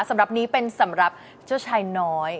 สำหรับนี้เป็นสำหรับเจ้าชายน้อย